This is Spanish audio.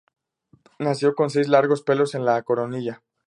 Nació con seis largos pelos en la coronilla.